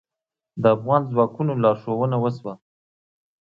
د افغان ځواکونو لارښوونه وشوه.